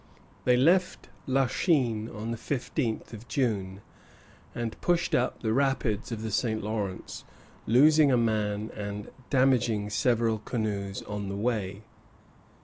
They left La Chine on the fifteenth of June, and pushed up the rapids of the St. Lawrence, losing a man and damaging several canoes on the way.